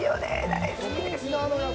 大好きです。